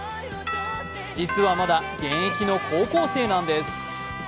実はまだ現役の高校生なんです。